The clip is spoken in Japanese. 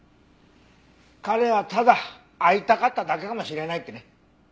彼はただ会いたかっただけかもしれないってね。